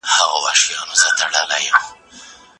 لګښتونه باید تل له ګټې څخه څو چنده کم وي.